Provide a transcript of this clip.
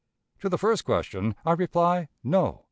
"To the first question I reply, No.